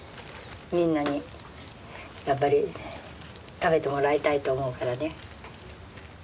みんなにやっぱり食べてもらいたいと思うからね。